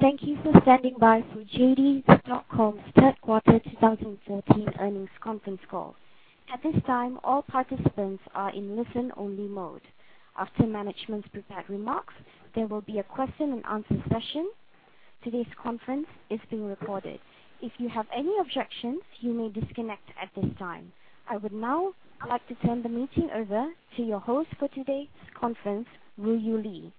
Thank you for standing by for JD.com's third quarter 2014 earnings conference call. At this time, all participants are in listen-only mode. After management's prepared remarks, there will be a question and answer session. Today's conference is being recorded. If you have any objections, you may disconnect at this time. I would now like to turn the meeting over to your host for today's conference, Ruiyu Li.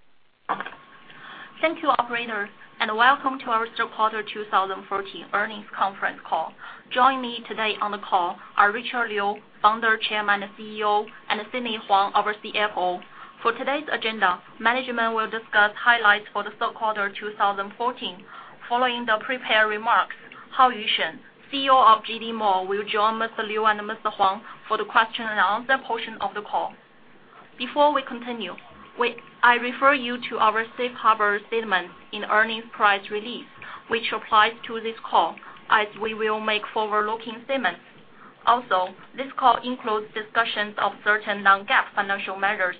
Thank you, operator. Welcome to our third quarter 2014 earnings conference call. Joining me today on the call are Richard Liu, founder, chairman, and CEO, and Sidney Huang, our CFO. For today's agenda, management will discuss highlights for the third quarter 2014. Following the prepared remarks, Haoyu Shen, CEO of JD Mall, will join Mr. Liu and Mr. Huang for the question and answer portion of the call. Before we continue, I refer you to our safe harbor statement in earnings press release, which applies to this call, as we will make forward-looking statements. This call includes discussions of certain non-GAAP financial measures.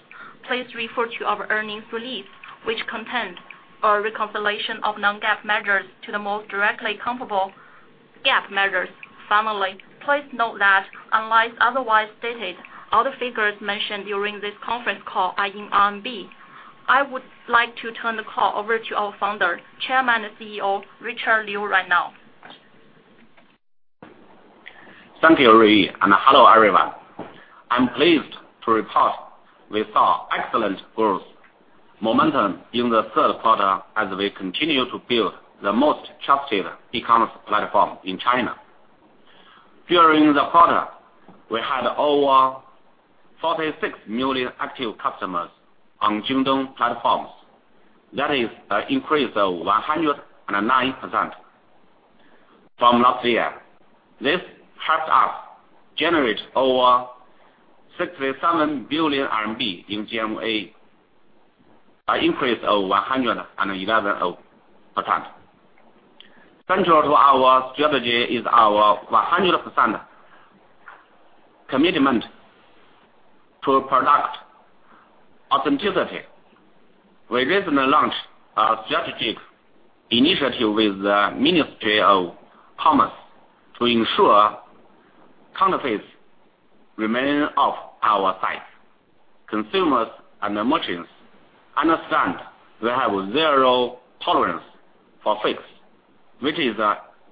Please refer to our earnings release, which contains a reconciliation of non-GAAP measures to the most directly comparable GAAP measures. Finally, please note that unless otherwise stated, all the figures mentioned during this conference call are in CNY. I would like to turn the call over to our founder, chairman, and CEO, Richard Liu, right now. Thank you, Ruiyu. Hello, everyone. I'm pleased to report we saw excellent growth momentum in the third quarter as we continue to build the most trusted e-commerce platform in China. During the quarter, we had over 46 million active customers on JD platforms. That is an increase of 109% from last year. This helped us generate over CNY 67 billion in GMV, an increase of 111%. Central to our strategy is our 100% commitment to product authenticity. We recently launched a strategic initiative with the Ministry of Commerce to ensure counterfeits remain off our site. Consumers and merchants understand we have zero tolerance for fakes, which is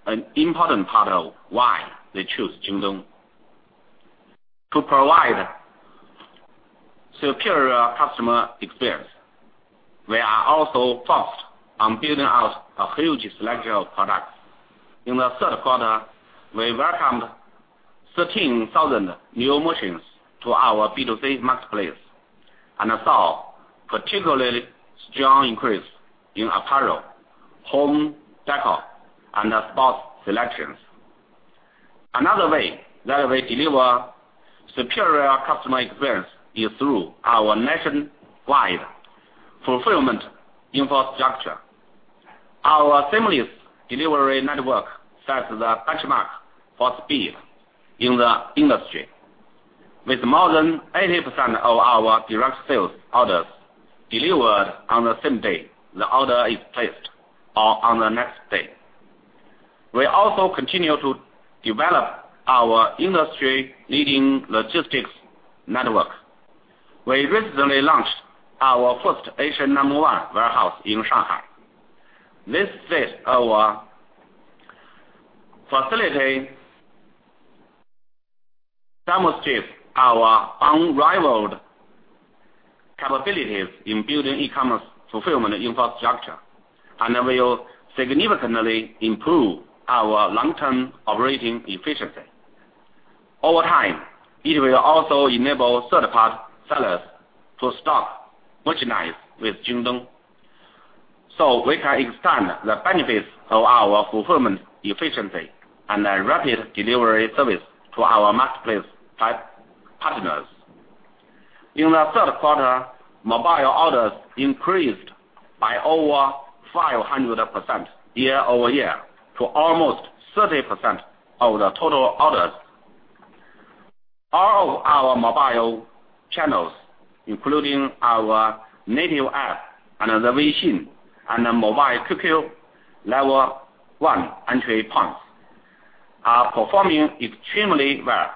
an important part of why they choose JD. To provide superior customer experience, we are also focused on building out a huge selection of products. In the third quarter, we welcomed 13,000 new merchants to our B2C marketplace and saw a particularly strong increase in apparel, home decor, and sports selections. Another way that we deliver superior customer experience is through our nationwide fulfillment infrastructure. Our seamless delivery network sets the benchmark for speed in the industry, with more than 80% of our direct sales orders delivered on the same day the order is placed or on the next day. We also continue to develop our industry-leading logistics network. We recently launched our first Asia No. 1 warehouse in Shanghai. This state-of-the-art facility demonstrates our unrivaled capabilities in building e-commerce fulfillment infrastructure and will significantly improve our long-term operating efficiency. Over time, it will also enable third-party sellers to stock merchandise with JD, so we can extend the benefits of our fulfillment efficiency and rapid delivery service to our marketplace partners. In the third quarter, mobile orders increased by over 500% year-over-year to almost 30% of the total orders. All of our mobile channels, including our native app and the Weixin and the mobile QQ Level 1 entry points, are performing extremely well,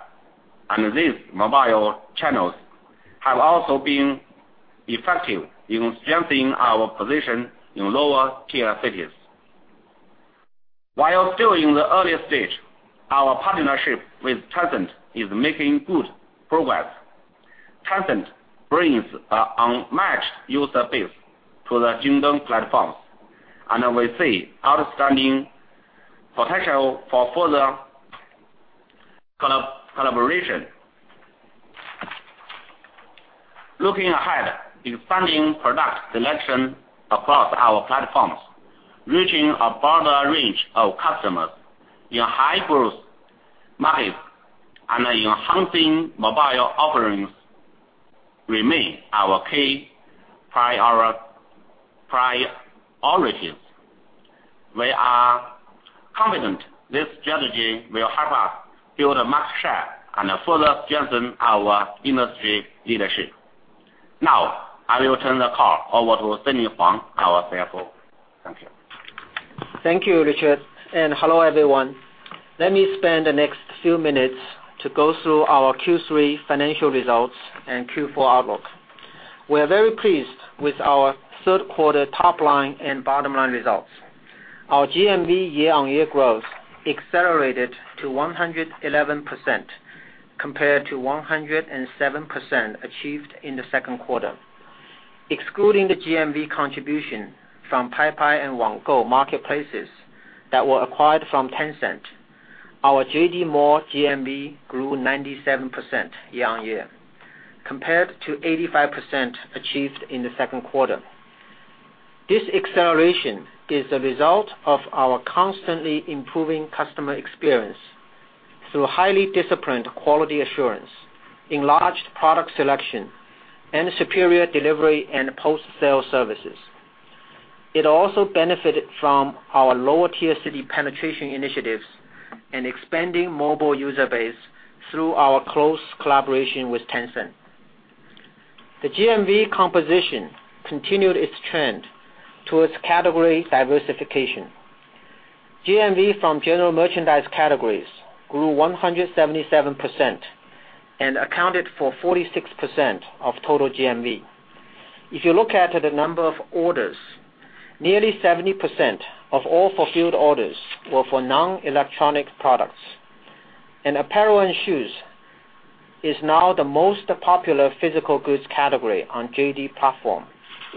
and these mobile channels have also been effective in strengthening our position in lower-tier cities. While still in the early stage, our partnership with Tencent is making good progress. Tencent brings an unmatched user base to the JD platforms, and we see outstanding potential for further collaboration. Expanding product selection across our platforms, reaching a broader range of customers in high-growth markets, and enhancing mobile offerings remain our key priorities. We are confident this strategy will help us build a market share and further strengthen our industry leadership. I will turn the call over to Sidney Huang, our CFO. Thank you. Thank you, Richard, and hello, everyone. Let me spend the next few minutes to go through our Q3 financial results and Q4 outlook. We are very pleased with our third quarter top line and bottom line results. Our GMV year-on-year growth accelerated to 111%, compared to 107% achieved in the second quarter. Excluding the GMV contribution from Paipai and QQ Wanggou marketplaces that were acquired from Tencent, our JD Mall GMV grew 97% year-on-year, compared to 85% achieved in the second quarter. This acceleration is the result of our constantly improving customer experience through highly disciplined quality assurance, enlarged product selection, and superior delivery and post-sale services. It also benefited from our lower-tier city penetration initiatives and expanding mobile user base through our close collaboration with Tencent. The GMV composition continued its trend towards category diversification. GMV from general merchandise categories grew 177% and accounted for 46% of total GMV. If you look at the number of orders, nearly 70% of all fulfilled orders were for non-electronic products, and apparel and shoes is now the most popular physical goods category on JD platform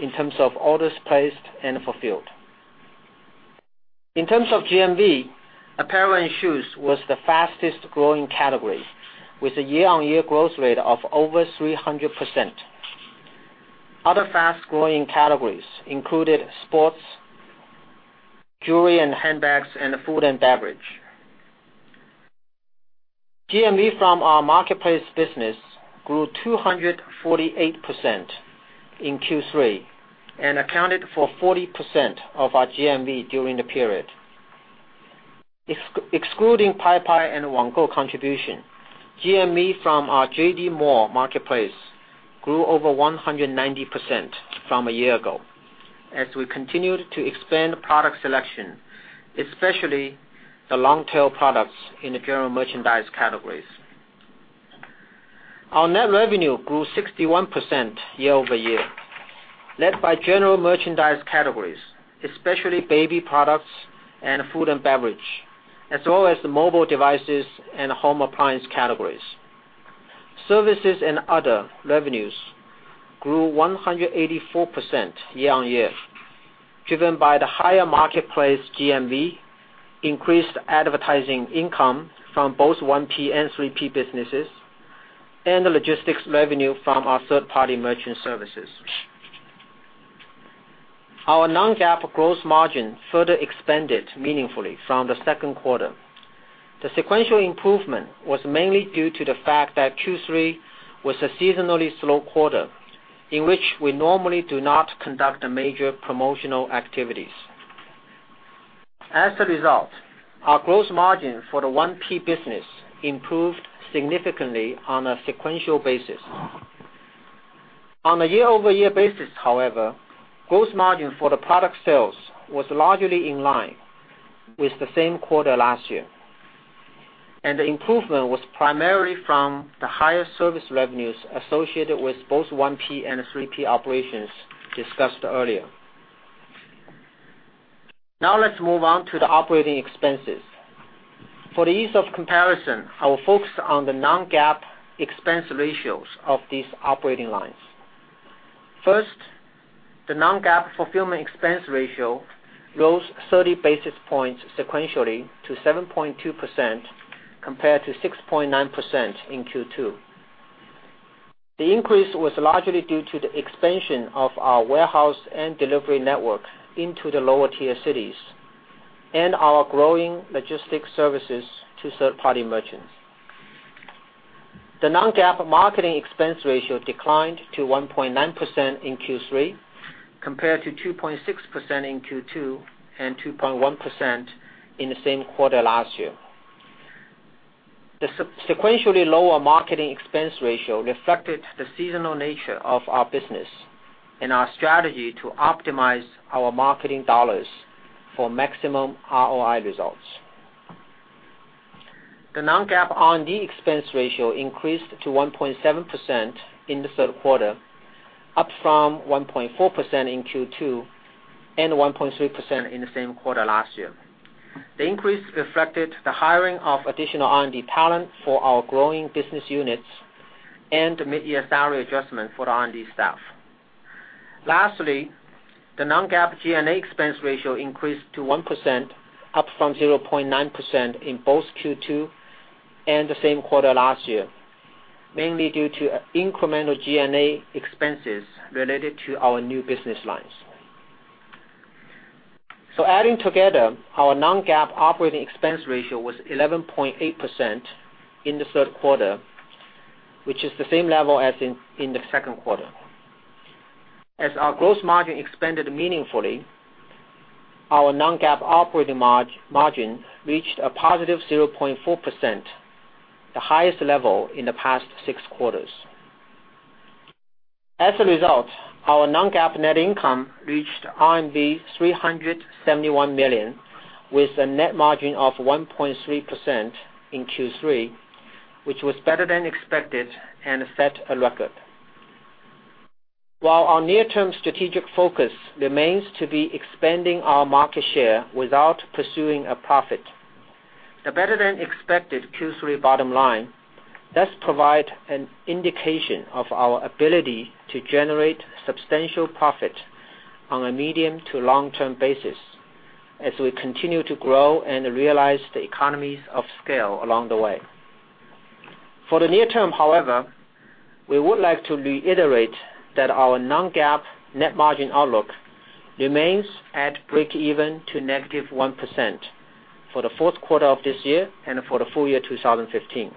in terms of orders placed and fulfilled. In terms of GMV, apparel and shoes was the fastest-growing category, with a year-on-year growth rate of over 300%. Other fast-growing categories included sports, jewelry and handbags, and food and beverage. GMV from our marketplace business grew 248% in Q3 and accounted for 40% of our GMV during the period. Excluding Paipai and QQ Wanggou contribution, GMV from our JD Mall marketplace grew over 190% from a year ago, as we continued to expand product selection, especially the long-tail products in the general merchandise categories. Our net revenue grew 61% year-over-year, led by general merchandise categories, especially baby products and food and beverage, as well as the mobile devices and home appliance categories. Services and other revenues grew 184% year-on-year, driven by the higher marketplace GMV, increased advertising income from both 1P and 3P businesses, and the logistics revenue from our third-party merchant services. Our non-GAAP gross margin further expanded meaningfully from the second quarter. The sequential improvement was mainly due to the fact that Q3 was a seasonally slow quarter in which we normally do not conduct major promotional activities. As a result, our gross margin for the 1P business improved significantly on a sequential basis. On a year-over-year basis, however, gross margin for the product sales was largely in line with the same quarter last year, and the improvement was primarily from the higher service revenues associated with both 1P and 3P operations discussed earlier. Let's move on to the operating expenses. For the ease of comparison, I will focus on the non-GAAP expense ratios of these operating lines. First, the non-GAAP fulfillment expense ratio rose 30 basis points sequentially to 7.2%, compared to 6.9% in Q2. The increase was largely due to the expansion of our warehouse and delivery network into the lower-tier cities and our growing logistics services to third-party merchants. The non-GAAP marketing expense ratio declined to 1.9% in Q3 compared to 2.6% in Q2 and 2.1% in the same quarter last year. The sequentially lower marketing expense ratio reflected the seasonal nature of our business and our strategy to optimize our marketing dollars for maximum ROI results. The non-GAAP R&D expense ratio increased to 1.7% in the third quarter, up from 1.4% in Q2 and 1.3% in the same quarter last year. The increase reflected the hiring of additional R&D talent for our growing business units and the mid-year salary adjustment for the R&D staff. Lastly, the non-GAAP G&A expense ratio increased to 1%, up from 0.9% in both Q2 and the same quarter last year, mainly due to incremental G&A expenses related to our new business lines. Adding together, our non-GAAP operating expense ratio was 11.8% in the third quarter, which is the same level as in the second quarter. As our gross margin expanded meaningfully, our non-GAAP operating margin reached a positive 0.4%, the highest level in the past six quarters. As a result, our non-GAAP net income reached RMB 371 million, with a net margin of 1.3% in Q3, which was better than expected and set a record. While our near-term strategic focus remains to be expanding our market share without pursuing a profit, the better-than-expected Q3 bottom line does provide an indication of our ability to generate substantial profit on a medium to long-term basis as we continue to grow and realize the economies of scale along the way. For the near term, however, we would like to reiterate that our non-GAAP net margin outlook remains at breakeven to negative 1% for the fourth quarter of this year and for the full year 2015.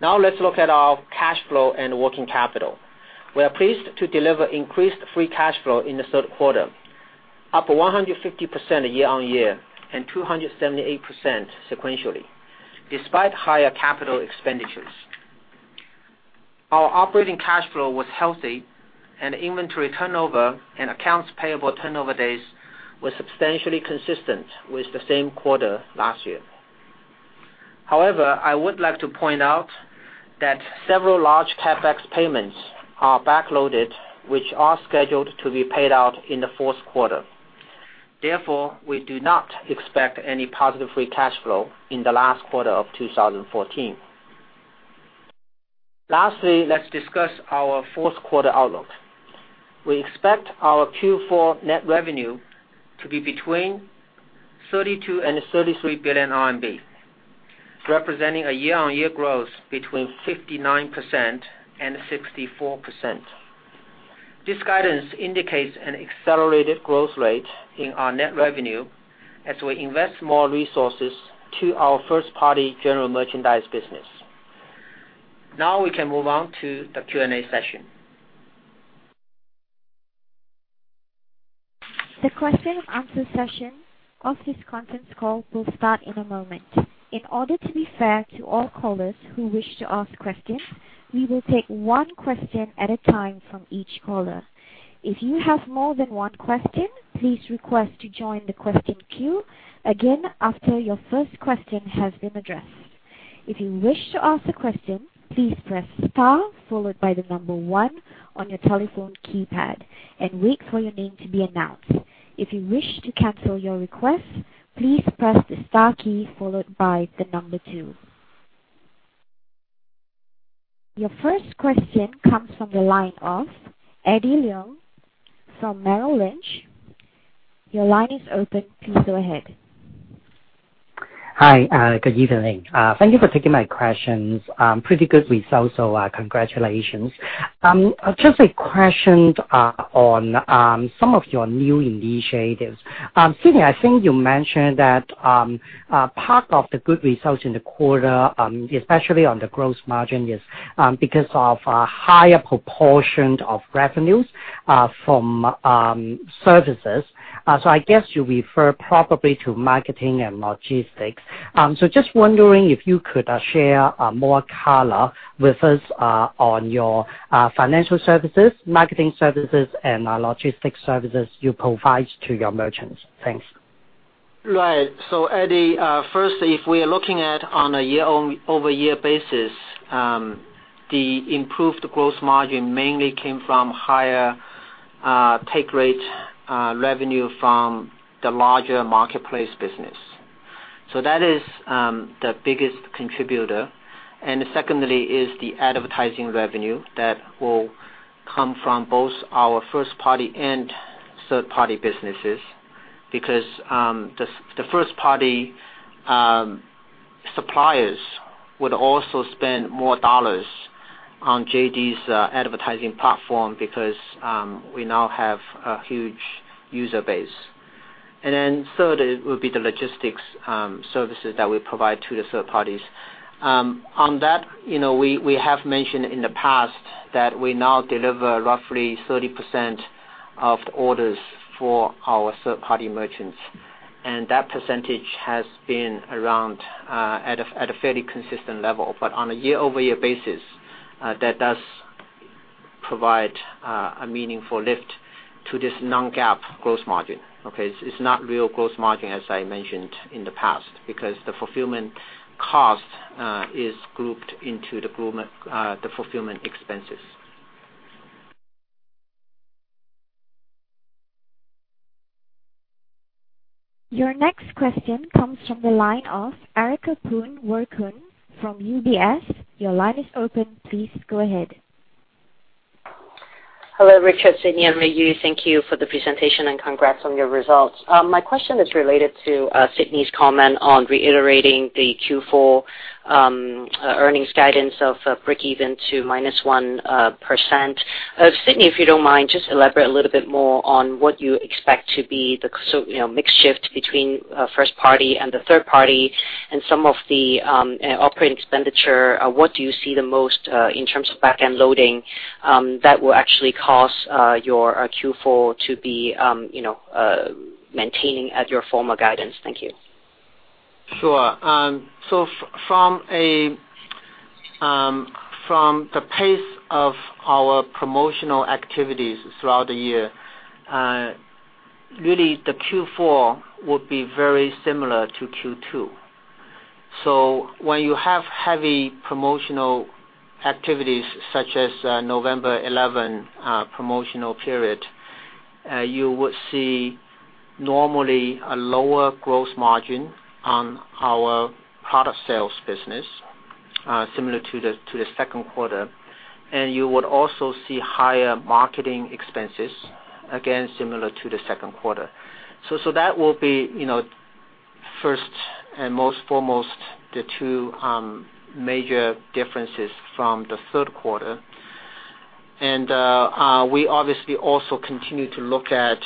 Let's look at our cash flow and working capital. We are pleased to deliver increased free cash flow in the third quarter, up 150% year-over-year and 278% sequentially, despite higher capital expenditures. Our operating cash flow was healthy, and inventory turnover and accounts payable turnover days were substantially consistent with the same quarter last year. However, I would like to point out that several large CapEx payments are back-loaded, which are scheduled to be paid out in the fourth quarter. Therefore, we do not expect any positive free cash flow in the last quarter of 2014. Lastly, let's discuss our fourth quarter outlook. We expect our Q4 net revenue to be between 32 billion and 33 billion RMB, representing a year-over-year growth between 59% and 64%. This guidance indicates an accelerated growth rate in our net revenue as we invest more resources to our first-party general merchandise business. Now we can move on to the Q&A session. The question and answer session of this conference call will start in a moment. In order to be fair to all callers who wish to ask questions, we will take one question at a time from each caller. If you have more than one question, please request to join the question queue again after your first question has been addressed. If you wish to ask a question, please press star followed by the number 1 on your telephone keypad and wait for your name to be announced. If you wish to cancel your request, please press the star key followed by the number 2. Your first question comes from the line of Eddie Leung from Merrill Lynch. Your line is open. Please go ahead. Hi. Good evening. Thank you for taking my questions. Pretty good results, congratulations. Just a question on some of your new initiatives. Sidney, I think you mentioned that part of the good results in the quarter, especially on the gross margin, is because of a higher proportion of revenues from services. I guess you refer probably to marketing and logistics. Just wondering if you could share more color with us on your financial services, marketing services, and logistics services you provide to your merchants. Thanks. Right. Eddie, first, if we are looking at on a year-over-year basis, the improved gross margin mainly came from higher take rate revenue from the larger marketplace business. That is the biggest contributor. Secondly is the advertising revenue that will come from both our first-party and third-party businesses, because the first-party suppliers would also spend more dollars on JD's advertising platform because we now have a huge user base. Then third would be the logistics services that we provide to the third parties. On that, we have mentioned in the past that we now deliver roughly 30% of the orders for our third-party merchants, and that percentage has been around at a fairly consistent level. On a year-over-year basis, that does provide a meaningful lift to this non-GAAP gross margin. Okay? It's not real gross margin, as I mentioned in the past, because the fulfillment cost is grouped into the fulfillment expenses. Your next question comes from the line of Erica Poon Werkun from UBS. Your line is open. Please go ahead. Hello, Richard, Sidney, and Ruiyu. Thank you for the presentation and congrats on your results. My question is related to Sidney's comment on reiterating the Q4 earnings guidance of breakeven to minus 1%. Sidney, if you don't mind, just elaborate a little bit more on what you expect to be the mix shift between first party and the third party and some of the operating expenditure. What do you see the most in terms of back-end loading that will actually cause your Q4 to be maintaining at your former guidance? Thank you. Sure. From the pace of our promotional activities throughout the year, really, the Q4 will be very similar to Q2. When you have heavy promotional activities, such as November 11th promotional period, you would see normally a lower gross margin on our product sales business, similar to the second quarter. You would also see higher marketing expenses, again, similar to the second quarter. That will be first and most foremost, the two major differences from the third quarter. We obviously also continue to look at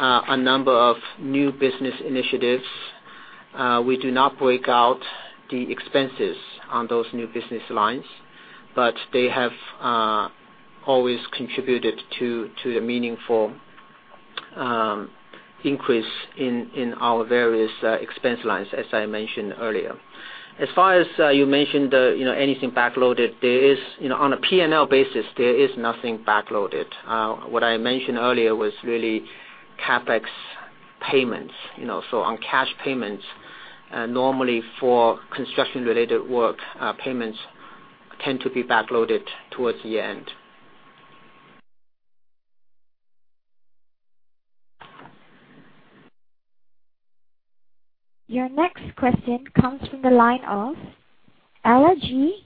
a number of new business initiatives. We do not break out the expenses on those new business lines, but they have always contributed to a meaningful increase in our various expense lines, as I mentioned earlier. As far as you mentioned anything backloaded, on a P&L basis, there is nothing backloaded. What I mentioned earlier was really CapEx payments. on cash payments, normally for construction-related work, payments tend to be backloaded towards the end. Your next question comes from the line of Ella Ji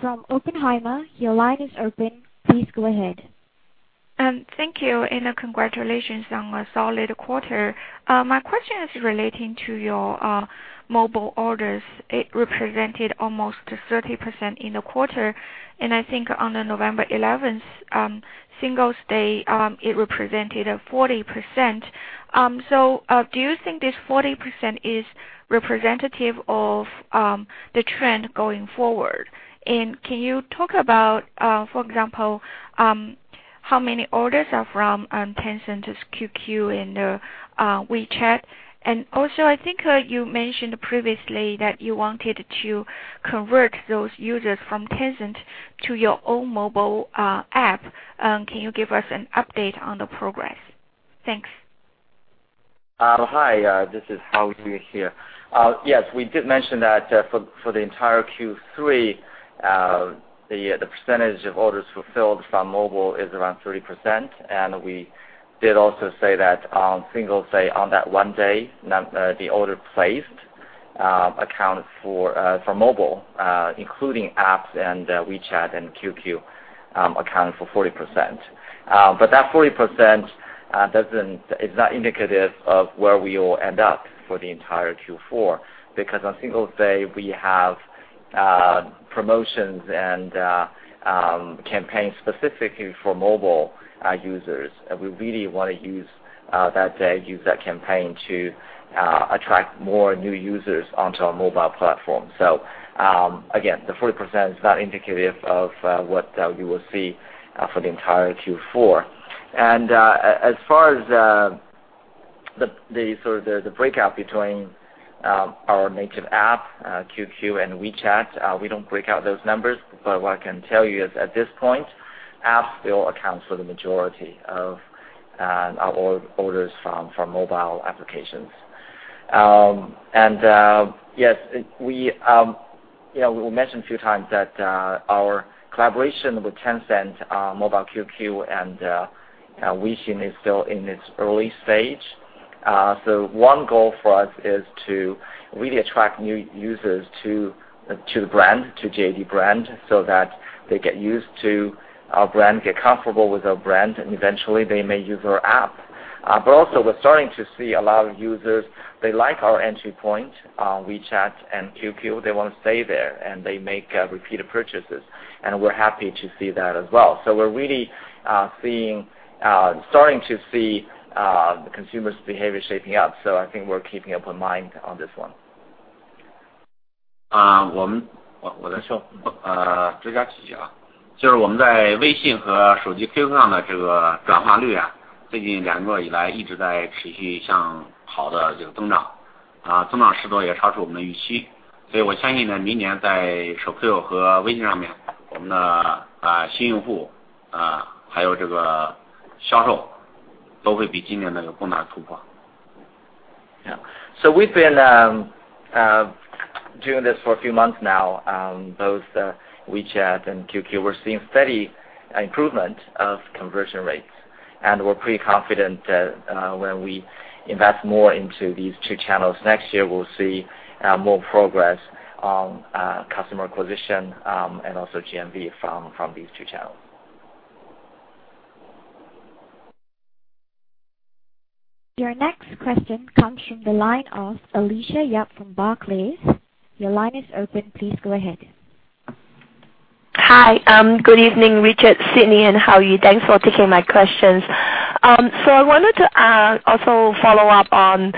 from Oppenheimer. Your line is open. Please go ahead. Thank you, and congratulations on a solid quarter. My question is relating to your mobile orders. It represented almost 30% in the quarter, I think on the November 11th Singles' Day, it represented 40%. Do you think this 40% is representative of the trend going forward? Can you talk about, for example, how many orders are from Tencent's QQ and WeChat? I think you mentioned previously that you wanted to convert those users from Tencent to your own mobile app. Can you give us an update on the progress? Thanks. Hi, this is Haoyu Shen here. Yes, we did mention that for the entire Q3, the percentage of orders fulfilled from mobile is around 30%. We did also say that on Singles' Day, on that one day, the order placed accounted for mobile, including apps and WeChat and QQ, accounted for 40%. That 40% is not indicative of where we will end up for the entire Q4, because on Singles' Day, we have promotions and campaigns specifically for mobile users. We really want to use that day, use that campaign to attract more new users onto our mobile platform. Again, the 40% is not indicative of what we will see for the entire Q4. As far as the sort of the breakout between our native app, QQ and WeChat, we don't break out those numbers. What I can tell you is, at this point, apps still account for the majority of our orders from mobile applications. Yes, we mentioned a few times that our collaboration with Tencent, Mobile QQ and WeChat is still in its early stage. One goal for us is to really attract new users to the JD brand so that they get used to our brand, get comfortable with our brand, and eventually they may use our app. Also we're starting to see a lot of users, they like our entry point, WeChat and QQ. They want to stay there, and they make repeated purchases. We're happy to see that as well. We're really starting to see the consumer's behavior shaping up. I think we're keeping up in mind on this one. We've been doing this for a few months now. Both WeChat and QQ, we're seeing steady improvement of conversion rates. We're pretty confident that when we invest more into these two channels next year, we'll see more progress on customer acquisition and also GMV from these two channels. Your next question comes from the line of Alicia Yap from Barclays. Your line is open. Please go ahead. Hi. Good evening, Richard, Sidney, and Haoyu Shen. Thanks for taking my questions. I wanted to also follow up on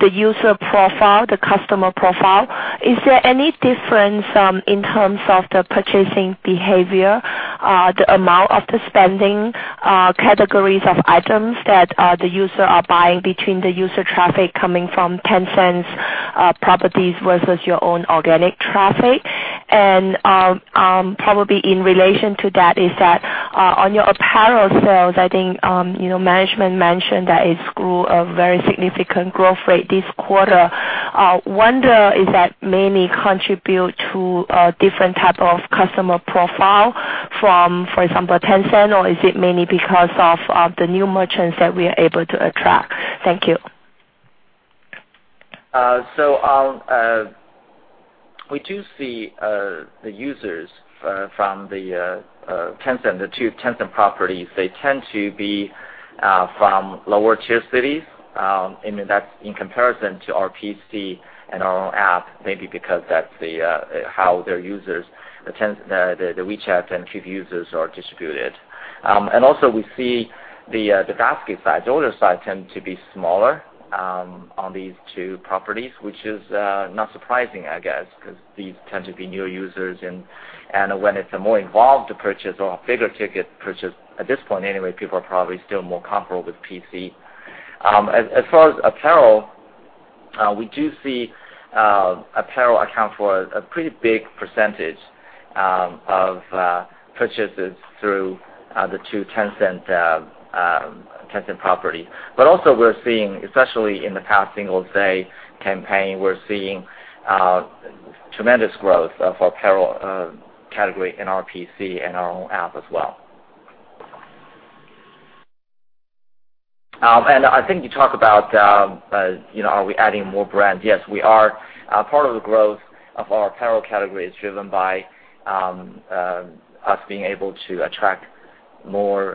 the user profile, the customer profile. Is there any difference in terms of the purchasing behavior, the amount of the spending, categories of items that the user are buying between the user traffic coming from Tencent's properties versus your own organic traffic? Probably in relation to that is that, on your apparel sales, I think management mentioned that it grew a very significant growth rate this quarter. I wonder, is that mainly contribute to a different type of customer profile from, for example, Tencent? Or is it mainly because of the new merchants that we are able to attract? Thank you. We do see the users from the two Tencent properties, they tend to be from lower-tier cities, and that's in comparison to our PC and our own app, maybe because that's how their users, the WeChat and QQ users are distributed. We see the basket size, order size tend to be smaller on these two properties, which is not surprising, I guess, because these tend to be new users. When it's a more involved purchase or a bigger-ticket purchase, at this point anyway, people are probably still more comfortable with PC. As far as apparel, we do see apparel account for a pretty big percentage of purchases through the two Tencent properties. Also, we're seeing, especially in the past Singles' Day campaign, we're seeing tremendous growth of apparel category in our PC and our own app as well. I think you talked about, are we adding more brands? Yes, we are. Part of the growth of our apparel category is driven by us being able to attract more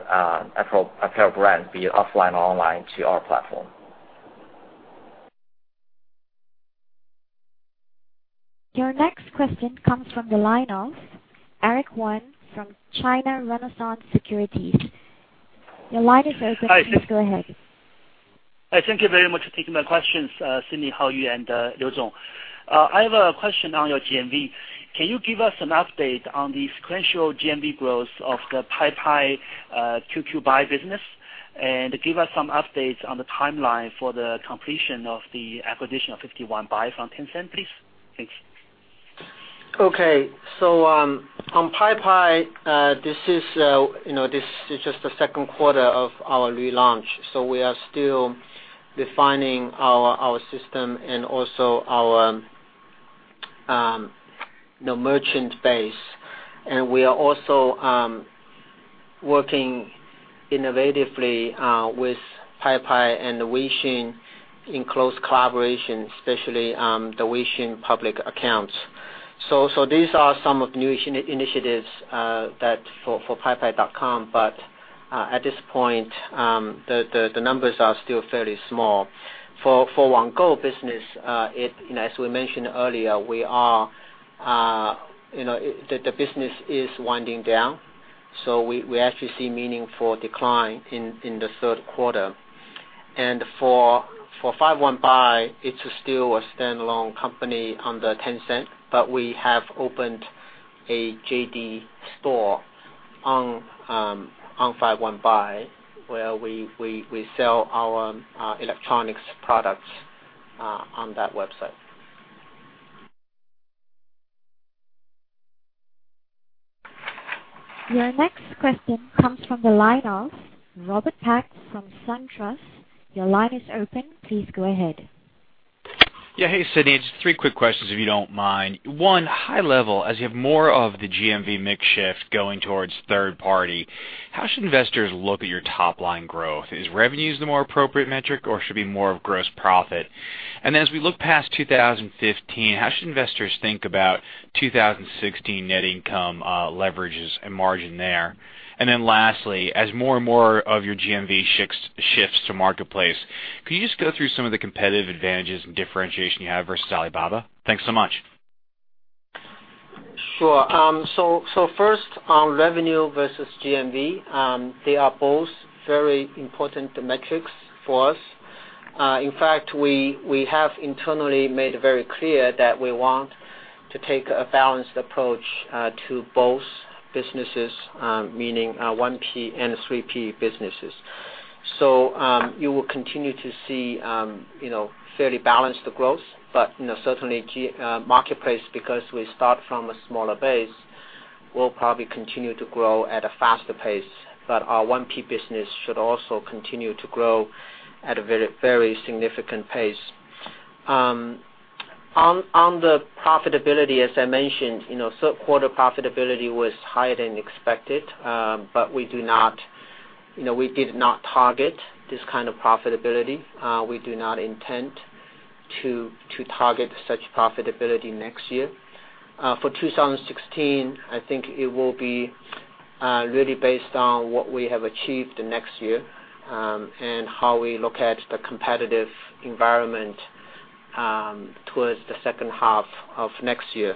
apparel brands, be it offline or online, to our platform. Your next question comes from the line of Eric Wan from China Renaissance Securities. Your line is open. Hi. Please go ahead. Thank you very much for taking my questions, Sidney, Haoyu, and Liu Zong. I have a question on your GMV. Can you give us an update on the sequential GMV growth of the Paipai QQ Buy business? Give us some updates on the timeline for the completion of the acquisition of 51buy.com from Tencent, please. Thanks. On Paipai, this is just the second quarter of our relaunch, we are still defining our system and also our merchant base. We are also working innovatively with Paipai and Weixin in close collaboration, especially the Weixin public accounts. These are some of the new initiatives for paipai.com, but at this point, the numbers are still fairly small. For Wanggou business, as we mentioned earlier, the business is winding down, we actually see meaningful decline in the third quarter. For 51buy.com, it's still a standalone company under Tencent, but we have opened a JD store on 51buy.com where we sell our electronics products on that website. Your next question comes from the line of Robert Peck from SunTrust. Your line is open. Please go ahead. Hey, Sidney. Just three quick questions, if you don't mind. One, high level, as you have more of the GMV mix shift going towards 3P, how should investors look at your top-line growth? Is revenues the more appropriate metric, or should it be more of gross profit? As we look past 2015, how should investors think about 2016 net income leverages and margin there? Lastly, as more and more of your GMV shifts to marketplace, could you just go through some of the competitive advantages and differentiation you have versus Alibaba? Thanks so much. Sure. First, on revenue versus GMV, they are both very important metrics for us. In fact, we have internally made very clear that we want to take a balanced approach to both businesses, meaning 1P and 3P businesses. You will continue to see fairly balanced growth, but certainly marketplace, because we start from a smaller base, will probably continue to grow at a faster pace. Our 1P business should also continue to grow at a very significant pace. On the profitability, as I mentioned, third quarter profitability was higher than expected, but we did not target this kind of profitability. We do not intend to target such profitability next year. For 2016, I think it will be really based on what we have achieved the next year and how we look at the competitive environment towards the second half of next year.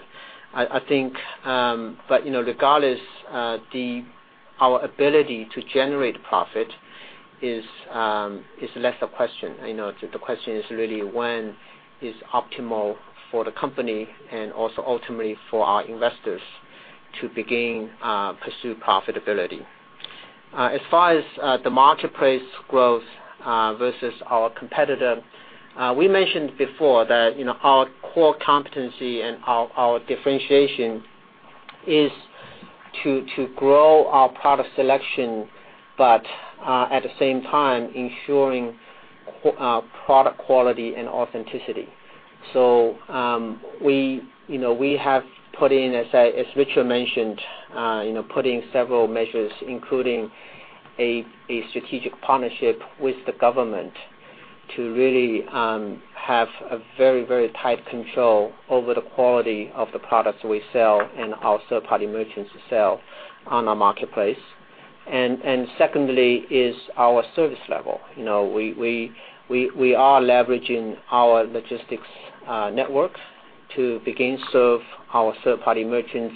Regardless, our ability to generate profit is less a question. The question is really when is optimal for the company and also ultimately for our investors to begin pursue profitability. As far as the marketplace growth versus our competitor, we mentioned before that our core competency and our differentiation is to grow our product selection, but at the same time ensuring product quality and authenticity. We have put in, as Richard mentioned, put in several measures, including a strategic partnership with the government to really have a very, very tight control over the quality of the products we sell and our third-party merchants sell on our marketplace. Secondly is our service level. We are leveraging our logistics network to begin to serve our third-party merchants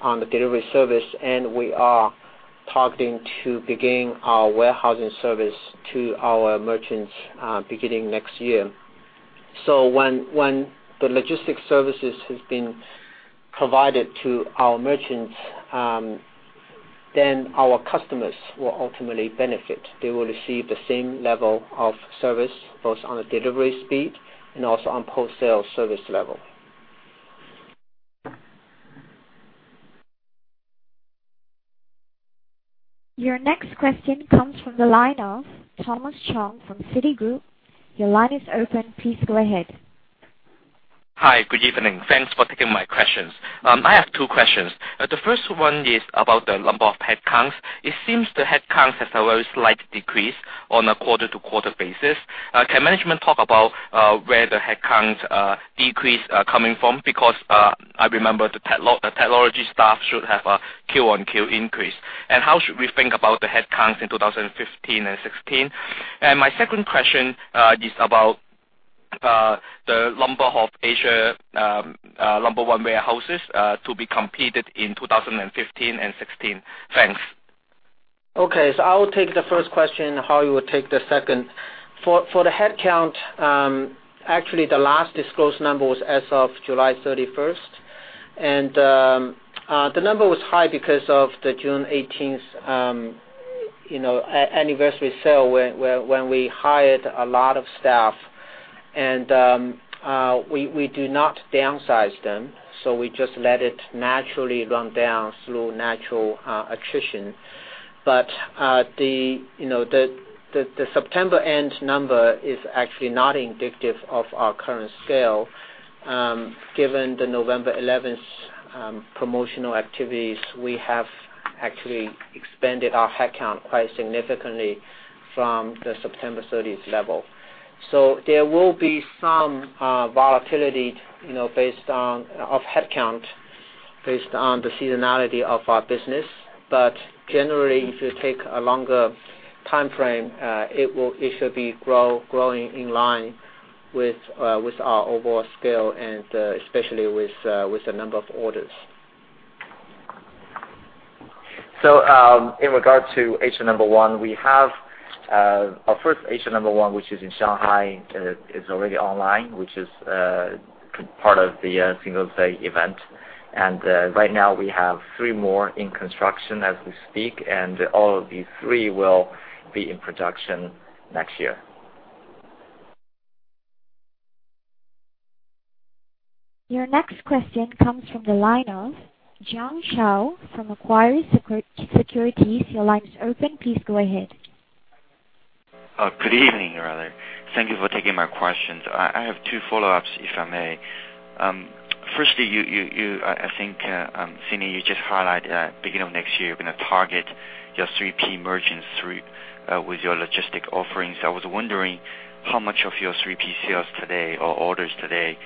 on the delivery service, and we are targeting to begin our warehousing service to our merchants beginning next year. When the logistics services have been provided to our merchants, then our customers will ultimately benefit. They will receive the same level of service, both on the delivery speed and also on post-sale service level. Your next question comes from the line of Thomas Chung from Citigroup. Your line is open. Please go ahead. Hi. Good evening. Thanks for taking my questions. I have two questions. The first one is about the number of headcounts. It seems the headcounts has a very slight decrease on a quarter-to-quarter basis. Can management talk about where the headcount decrease are coming from? Because I remember the technology staff should have a Q-on-Q increase. How should we think about the headcounts in 2015 and 2016? My second question is about the number of Asia No. 1 warehouses to be completed in 2015 and 2016. Thanks. Okay, I'll take the first question, and Haoyu will take the second. For the headcount, actually, the last disclosed number was as of July 31st. The number was high because of the June 18th anniversary sale, where when we hired a lot of staff, and we do not downsize them, so we just let it naturally run down through natural attrition. The September end number is actually not indicative of our current scale. Given the November 11th promotional activities, we have actually expanded our headcount quite significantly from the September 30th level. There will be some volatility of headcount based on the seasonality of our business. Generally, if you take a longer timeframe, it should be growing in line with our overall scale and especially with the number of orders. In regard to Asia No. 1, we have our first Asia No. 1, which is in Shanghai, is already online, which is part of the Singles' Day event. Right now, we have three more in construction as we speak, and all of these three will be in production next year. Your next question comes from the line of John Shao from Aegis Capital. Your line is open. Please go ahead. Good evening, rather. Thank you for taking my questions. I have two follow-ups, if I may. Firstly, I think, Sidney, you just highlighted at beginning of next year, you're going to target your 3P merchants with your logistic offerings. I was wondering how much of your 3P sales today or orders today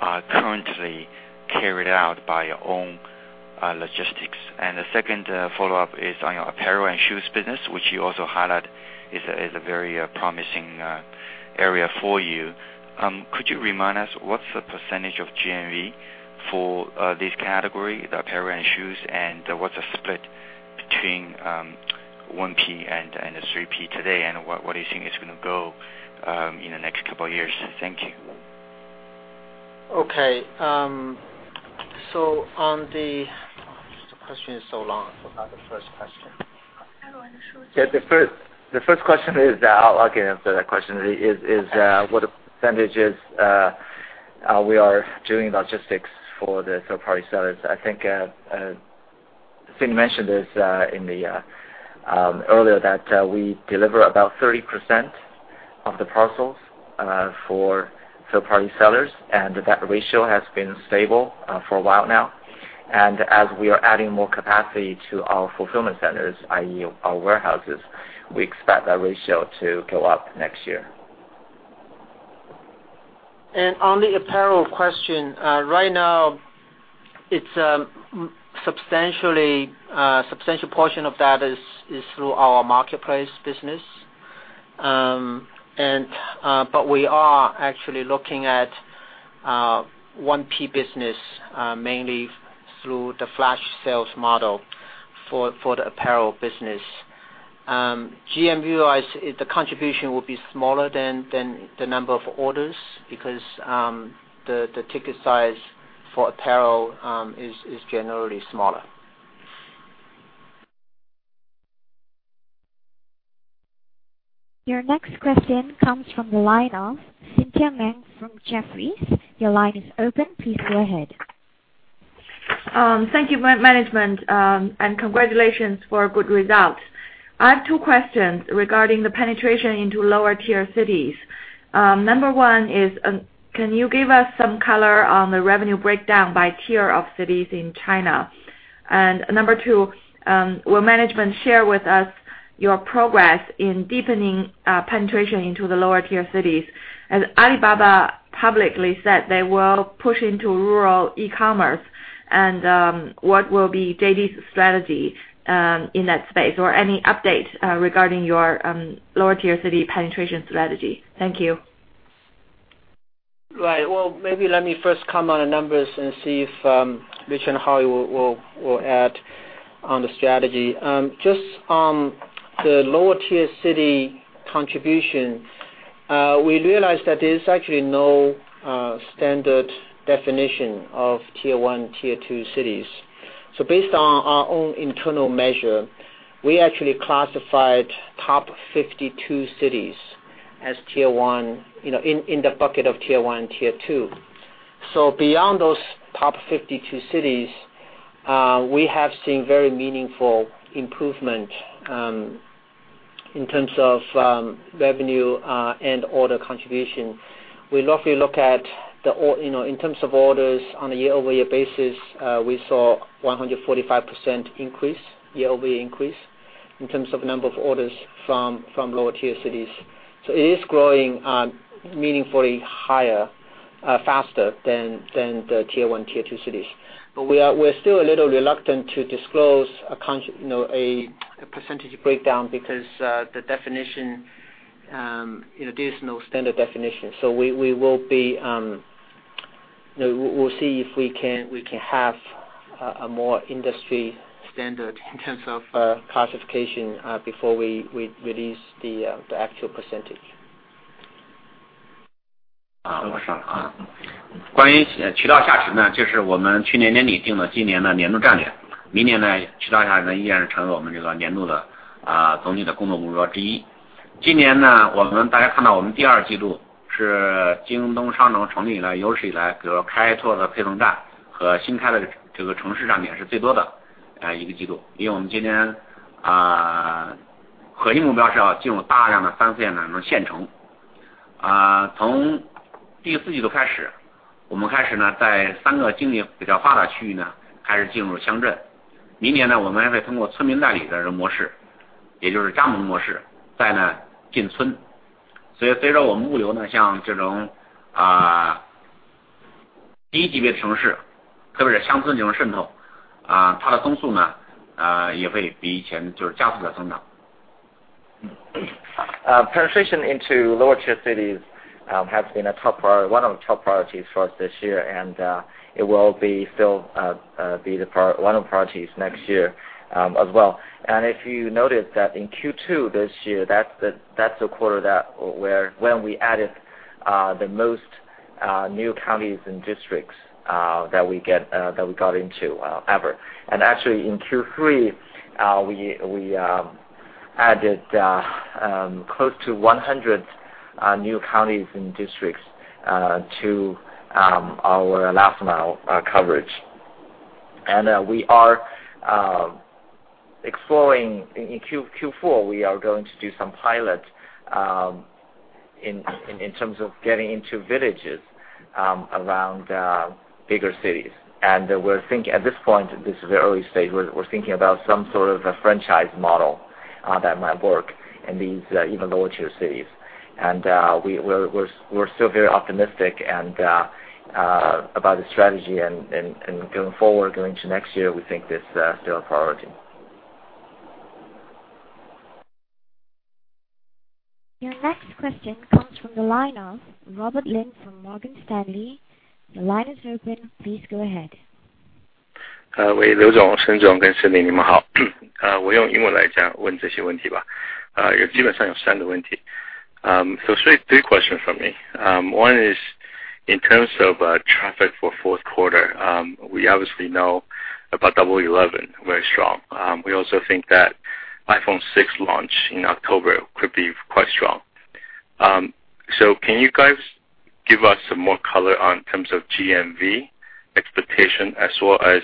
are currently carried out by your own logistics. The second follow-up is on your apparel and shoes business, which you also highlighted is a very promising area for you. Could you remind us what's the percentage of GMV for this category, the apparel and shoes, and what's the split between 1P and the 3P today, and where do you think it's going to go in the next couple of years? Thank you. Okay. On the The question is so long. I forgot the first question. Apparel and shoes. Yeah, the first question is, I can answer that question, is what percentages we are doing logistics for the third-party sellers. I think Sidney mentioned this earlier, that we deliver about 30% of the parcels for third-party sellers, and that ratio has been stable for a while now. As we are adding more capacity to our fulfillment centers, i.e., our warehouses, we expect that ratio to go up next year. On the apparel question, right now, a substantial portion of that is through our marketplace business. We are actually looking at 1P business, mainly through the flash sales model for the apparel business. GMV, the contribution will be smaller than the number of orders, because the ticket size for apparel is generally smaller. Your next question comes from the line of Cynthia Meng from Jefferies. Your line is open, please go ahead. Thank you, management, and congratulations for a good result. I have two questions regarding the penetration into lower-tier cities. Number 1 is, can you give us some color on the revenue breakdown by tier of cities in China? Number 2, will management share with us your progress in deepening penetration into the lower-tier cities? As Alibaba publicly said they will push into rural e-commerce, what will be JD's strategy in that space, or any update regarding your lower-tier city penetration strategy? Thank you. Right. Well, maybe let me first comment on the numbers and see if Rich and Hao will add on the strategy. Just on the lower-tier city contribution, we realized that there's actually no standard definition of tier 1, tier 2 cities. Based on our own internal measure, we actually classified top 52 cities in the bucket of tier 1, tier 2. Beyond those top 52 cities, we have seen very meaningful improvement in terms of revenue and order contribution. We roughly look at, in terms of orders on a year-over-year basis, we saw 145% year-over-year increase in terms of number of orders from lower-tier cities. It is growing meaningfully higher, faster than the tier 1, tier 2 cities. We're still a little reluctant to disclose a percentage breakdown because there's no standard definition. We will see if we can have a more industry standard in terms of classification before we release the actual percentage. Penetration into lower-tier cities has been one of the top priorities for us this year, and it will still be one of the priorities next year as well. If you notice that in Q2 this year, that's the quarter when we added the most new counties and districts that we got into ever. Actually, in Q3, we added close to 100 new counties and districts to our last mile coverage. In Q4, we are going to do some pilot in terms of getting into villages around bigger cities. At this point, this is the early stage, we're thinking about some sort of a franchise model that might work in these even lower-tier cities. We're still very optimistic about the strategy, and going forward, going into next year, we think this is still a priority. Your next question comes from the line of Robert Lin from Morgan Stanley. Your line is open. Please go ahead. Three questions from me. One is, in terms of traffic for fourth quarter, we obviously know about Double 11, very strong. We also think that iPhone 6 launch in October could be quite strong. Can you guys give us some more color in terms of GMV expectation as well as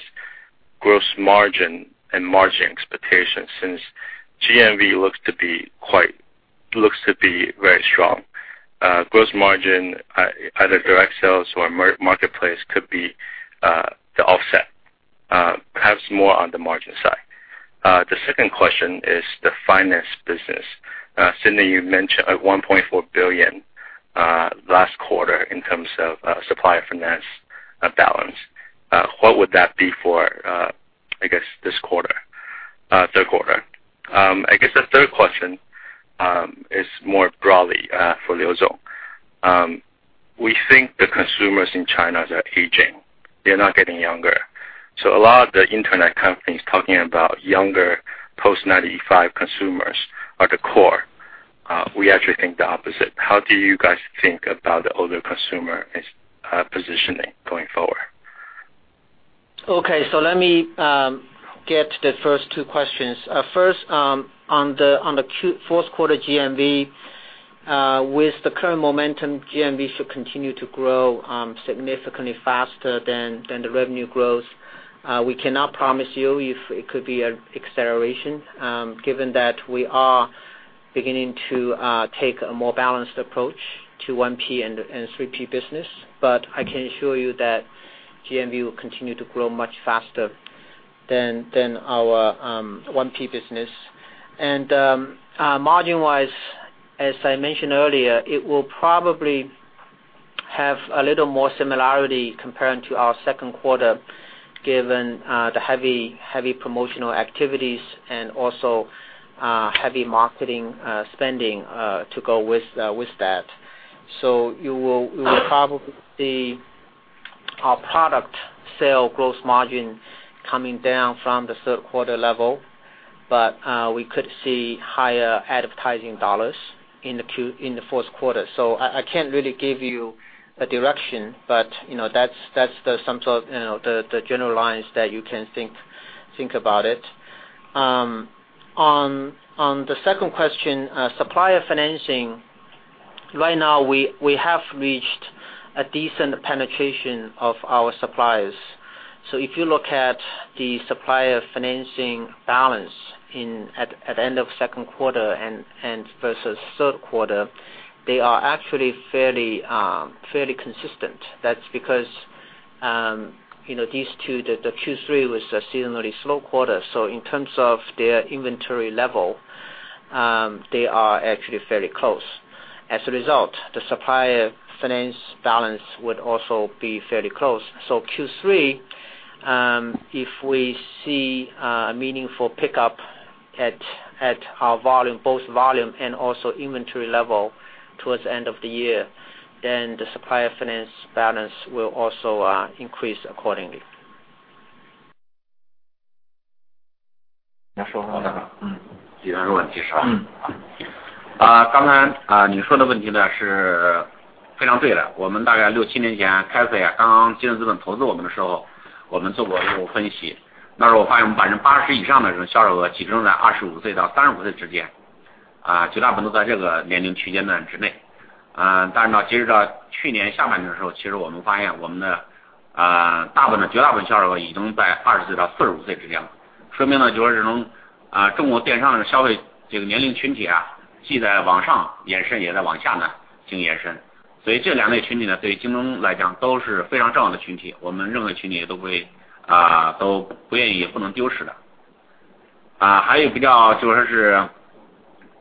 gross margin and margin expectations, since GMV looks to be very strong. Gross margin, either direct sales or marketplace could be the offset. Perhaps more on the margin side. The second question is the finance business. Sidney, you mentioned a 1.4 billion last quarter in terms of supplier finance balance. What would that be for, I guess, this quarter, third quarter? I guess the third question is more broadly for Liu Zong. We think the consumers in China are aging. They're not getting younger. A lot of the internet companies talking about younger post-95 consumers are the core. We actually think the opposite. How do you guys think about the older consumer positioning going forward? Let me get the first two questions. First, on the Q fourth quarter GMV. With the current momentum, GMV should continue to grow significantly faster than the revenue growth. We cannot promise you if it could be an acceleration, given that we are beginning to take a more balanced approach to 1P and 3P business. I can assure you that GMV will continue to grow much faster than our 1P business. Margin-wise, as I mentioned earlier, it will probably have a little more similarity compared to our second quarter, given the heavy promotional activities and also heavy marketing spending to go with that. You will probably see our product sale gross margin coming down from the third quarter level, but we could see higher advertising dollars in the fourth quarter. I can't really give you a direction, but that's the general lines that you can think about it. On the second question, supplier financing. Right now, we have reached a decent penetration of our suppliers. If you look at the supplier financing balance at the end of second quarter and versus third quarter, they are actually fairly consistent. That's because the Q3 was a seasonally slow quarter, so in terms of their inventory level, they are actually fairly close. As a result, the supplier finance balance would also be fairly close. Q3, if we see a meaningful pickup at both volume and also inventory level towards the end of the year, then the supplier finance balance will also increase accordingly.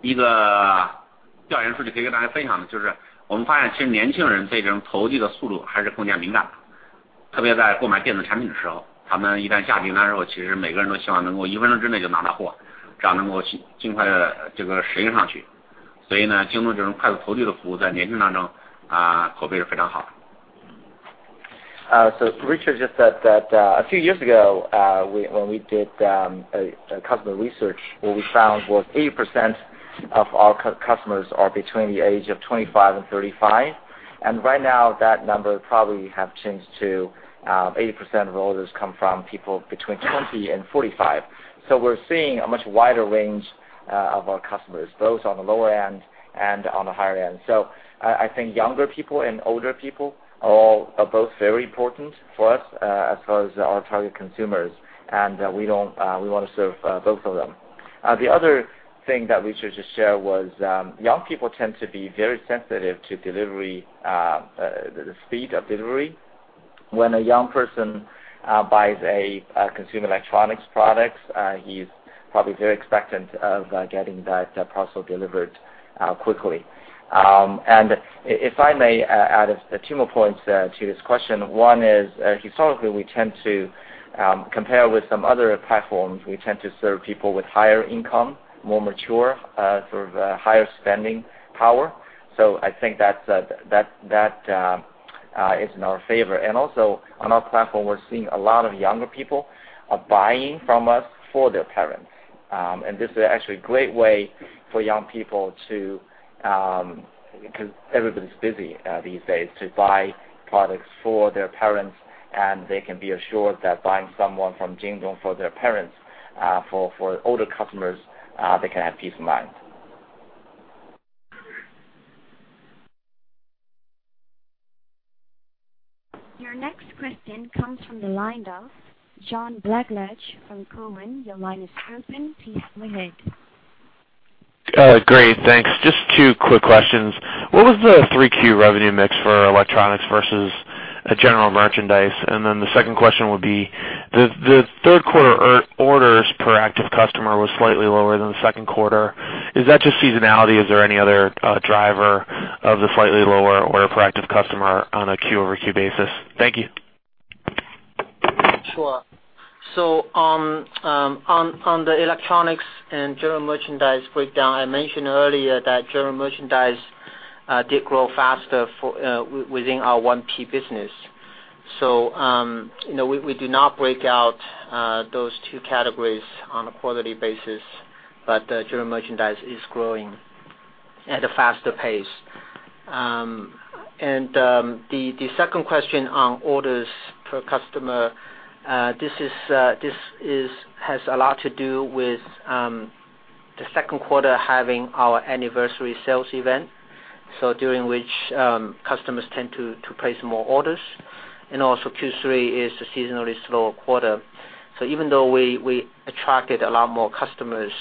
Richard just said that a few years ago, when we did a customer research, what we found was 80% of our customers are between the age of 25 and 35. Right now, that number probably have changed to 80% of orders come from people between 20 and 45. We're seeing a much wider range of our customers, both on the lower end and on the higher end. I think younger people and older people are both very important for us as far as our target consumers, and we want to serve both of them. The other thing that Richard just shared was, young people tend to be very sensitive to the speed of delivery. When a young person buys a consumer electronics product, he's probably very expectant of getting that parcel delivered quickly. If I may add two more points to this question. One is, historically, compared with some other platforms, we tend to serve people with higher income, more mature, sort of higher spending power. I think that is in our favor. Also on our platform, we're seeing a lot of younger people are buying from us for their parents. This is actually a great way for young people, because everybody's busy these days, to buy products for their parents, and they can be assured that buying someone from Jingdong for their parents, for older customers, they can have peace of mind. Your next question comes from the line of John Blackledge from Cowen. Your line is open. Please go ahead. Great. Thanks. Just two quick questions. What was the 3Q revenue mix for electronics versus general merchandise? Then the second question would be, the third quarter orders per active customer was slightly lower than the second quarter. Is that just seasonality, or is there any other driver of the slightly lower order per active customer on a Q-over-Q basis? Thank you. Sure. On the electronics and general merchandise breakdown, I mentioned earlier that general merchandise did grow faster within our 1P business. We do not break out those two categories on a quarterly basis, but general merchandise is growing at a faster pace. The second question on orders per customer, this has a lot to do with the second quarter having our anniversary sales event, during which customers tend to place more orders. Also Q3 is a seasonally slower quarter. Even though we attracted a lot more customers,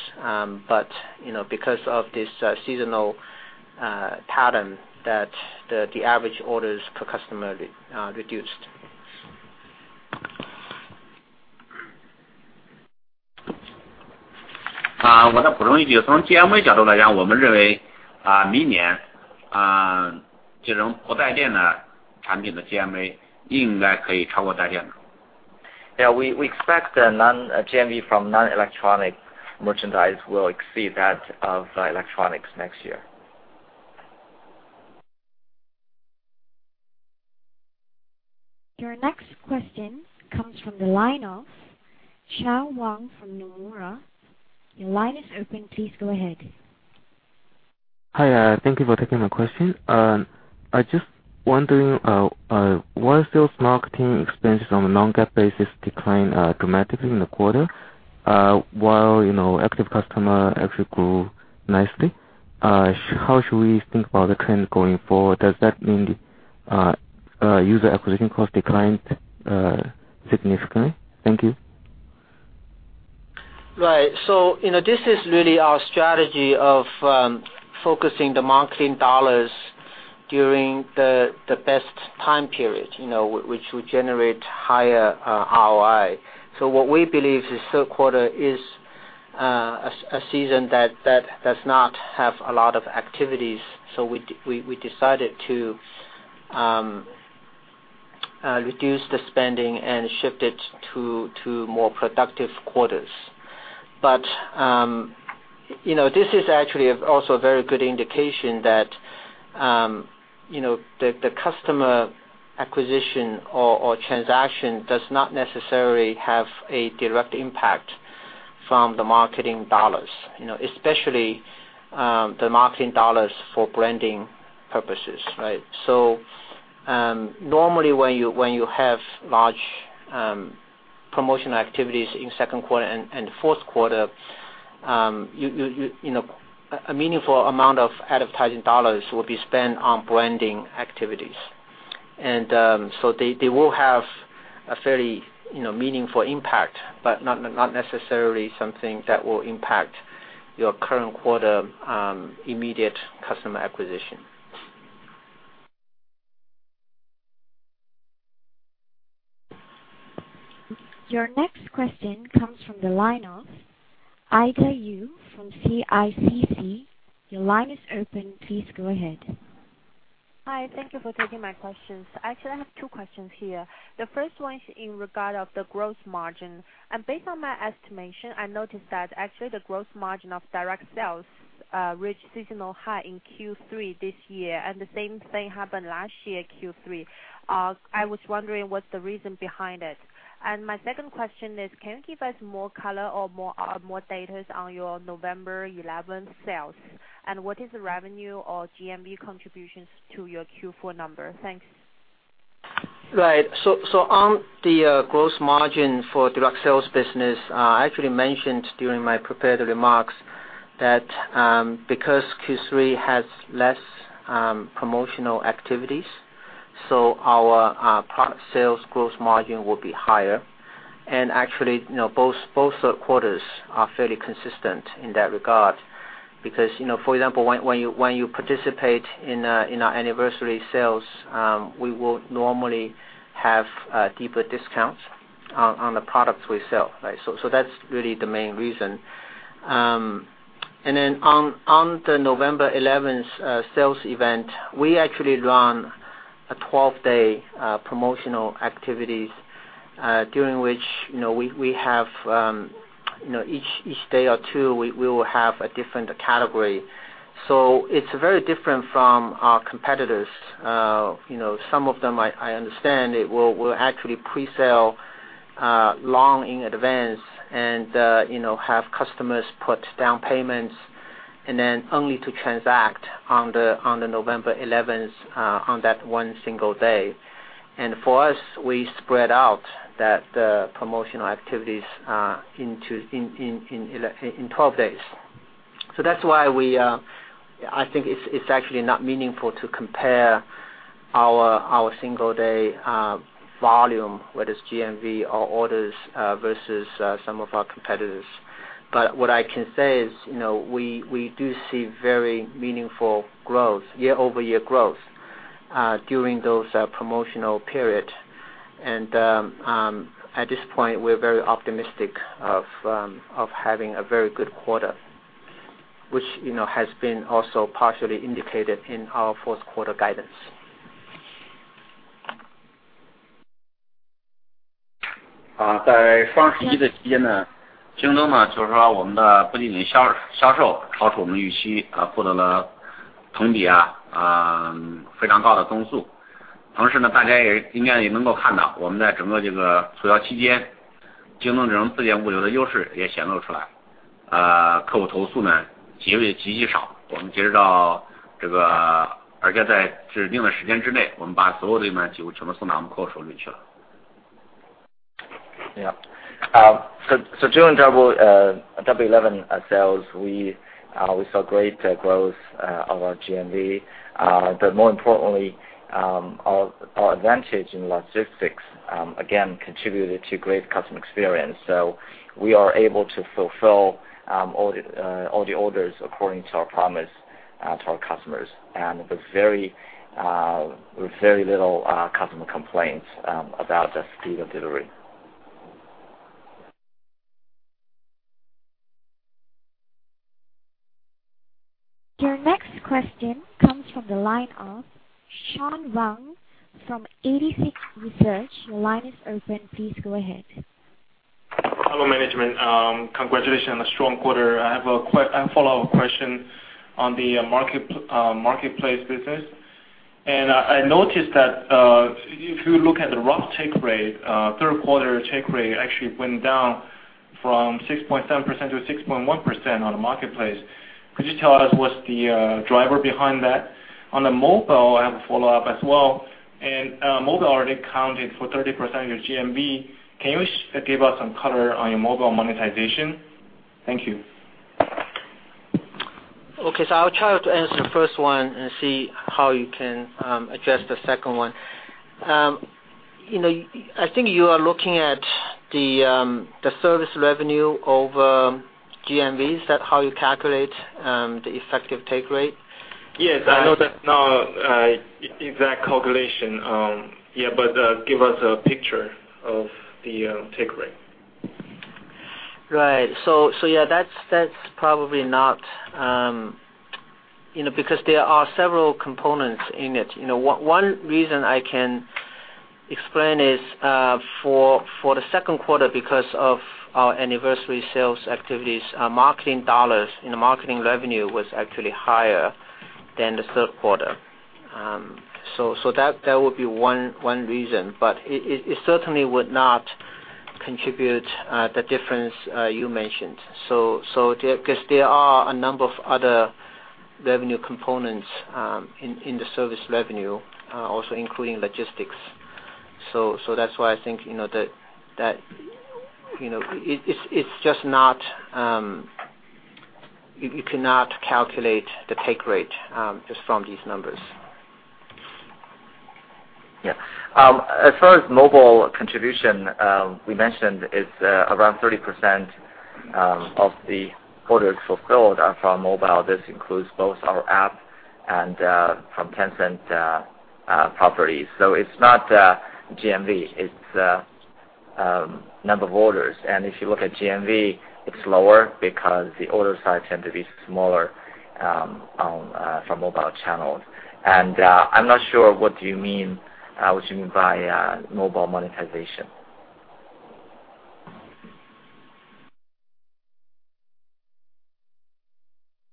but because of this seasonal pattern, the average orders per customer reduced. Yeah, we expect the GMV from non-electronic merchandise will exceed that of electronics next year. Your next question comes from the line of Chao Wang from Nomura. Your line is open. Please go ahead. Hi. Thank you for taking my question. I just wondering, why sales marketing expenses on a non-GAAP basis declined dramatically in the quarter, while active customer actually grew nicely? How should we think about the trend going forward? Does that mean user acquisition cost declined significantly? Thank you. Right. This is really our strategy of focusing the marketing dollars during the best time period, which will generate higher ROI. What we believe is third quarter is a season that does not have a lot of activities. We decided to reduce the spending and shift it to more productive quarters. This is actually also a very good indication that the customer acquisition or transaction does not necessarily have a direct impact from the marketing dollars, especially the marketing dollars for branding purposes. Right? Normally when you have large promotional activities in second quarter and fourth quarter, a meaningful amount of advertising dollars will be spent on branding activities. They will have a fairly meaningful impact, but not necessarily something that will impact your current quarter immediate customer acquisition. Your next question comes from the line of Ida Yu from CICC. Your line is open. Please go ahead. Hi. Thank you for taking my questions. Actually, I have two questions here. The first one is in regard of the gross margin. Based on my estimation, I noticed that actually the gross margin of direct sales reached seasonal high in Q3 this year, and the same thing happened last year, Q3. I was wondering what's the reason behind it. My second question is: Can you give us more color or more data on your November 11th sales? What is the revenue or GMV contributions to your Q4 number? Thanks. Right. On the gross margin for direct sales business, I actually mentioned during my prepared remarks that because Q3 has less promotional activities, our product sales gross margin will be higher. Actually, both quarters are fairly consistent in that regard because, for example, when you participate in our anniversary sales, we will normally have deeper discounts on the products we sell. That's really the main reason. Then on the November 11th sales event, we actually run a 12-day promotional activities, during which each day or two, we will have a different category. It's very different from our competitors. Some of them, I understand, will actually pre-sell long in advance and have customers put down payments and then only to transact on the November 11th, on that one single day. For us, we spread out the promotional activities in 12 days. That's why I think it's actually not meaningful to compare our single-day volume, whether it's GMV or orders, versus some of our competitors. What I can say is we do see very meaningful year-over-year growth during those promotional periods. At this point, we're very optimistic of having a very good quarter. Which has been also partially indicated in our fourth quarter guidance. During Double 11 sales, we saw great growth of our GMV. More importantly, our advantage in logistics again contributed to great customer experience. We are able to fulfill all the orders according to our promise to our customers, and with very little customer complaints about the speed of delivery. Your next question comes from the line of Sean Wang from 86 Research. Your line is open. Please go ahead. Hello, management. Congratulations on a strong quarter. I have a follow-up question on the marketplace business. I noticed that if you look at the rough take rate, third quarter take rate actually went down from 6.7% to 6.1% on the marketplace. Could you tell us what's the driver behind that? On the mobile, I have a follow-up as well. Mobile already accounted for 30% of your GMV. Can you give us some color on your mobile monetization? Thank you. Okay. I'll try to answer the first one and see Haoyu can address the second one. I think you are looking at the service revenue over GMV. Is that how you calculate the effective take rate? Yes, I know that's not exact calculation. Give us a picture of the take rate. Right. That's probably not. There are several components in it. One reason I can explain is, for the second quarter because of our anniversary sales activities, our marketing dollars and the marketing revenue was actually higher than the third quarter. That would be one reason, but it certainly would not contribute the difference you mentioned. There are a number of other revenue components in the service revenue, also including logistics. That's why I think that you cannot calculate the take rate just from these numbers. As far as mobile contribution, we mentioned it's around 30% of the orders fulfilled are from mobile. This includes both our app and from Tencent properties. It's not GMV, it's number of orders. If you look at GMV, it's lower because the order size tend to be smaller from mobile channels. I'm not sure what you mean by mobile monetization.